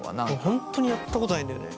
本当にやったことないんだよね。